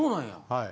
はい。